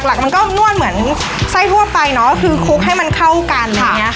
หลักมันก็นวดเหมือนไส้ทั่วไปครบให้เข้ากัน